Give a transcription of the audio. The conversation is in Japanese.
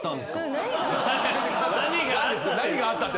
「何があった」って。